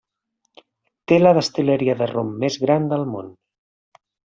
Té la destil·leria de rom més gran del món.